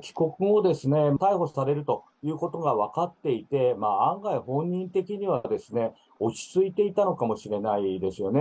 帰国後ですね、逮捕されるということが分かっていて、案外、本人的には、落ち着いていたのかもしれないですよね。